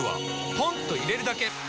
ポンと入れるだけ！